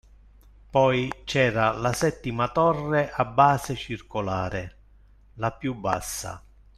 poi c’era la settima torre a base circolare, la più bassa